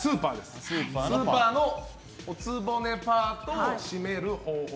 スーパーのお局パートをシメる方法。